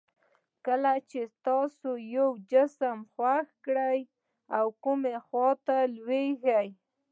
کله چې تاسو یو جسم خوشې کوئ کومې خواته لویږي؟